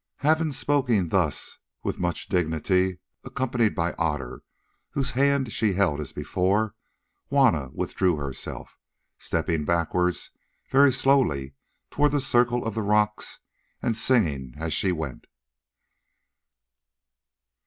Having spoken thus with much dignity, accompanied by Otter, whose hand she held as before, Juanna withdrew herself, stepping backwards very slowly towards the circle of rocks, and singing as she went.